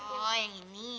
oh yang ini